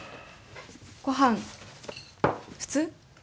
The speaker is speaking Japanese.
ごはん、普通？